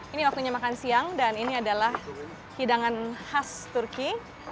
ini waktunya makan siang dan ini adalah hidangan khas turki